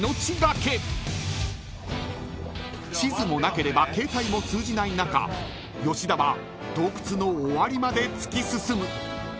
［地図もなければ携帯も通じない中吉田は洞窟の終わりまで突き進む］